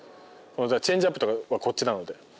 チェンジアップとかはこっちなので。